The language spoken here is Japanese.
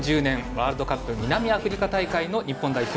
ワールドカップ南アフリカ大会の日本代表。